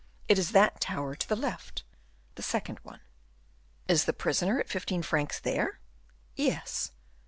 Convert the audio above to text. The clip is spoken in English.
"It is that tower to the left the second one." "Is the prisoner at fifteen francs there?" "Yes."